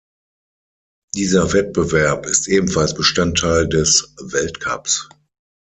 Dieser Wettbewerb ist ebenfalls Bestandteil des Weltcups.